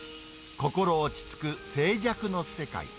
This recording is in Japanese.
心落ち着く静寂の世界。